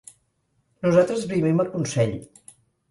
Nosaltres vivim a Consell.